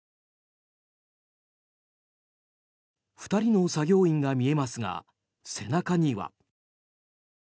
２人の作業員が見えますが背中には。